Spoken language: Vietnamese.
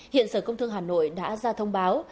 hiện sở công thương hà nội đã ra thông báo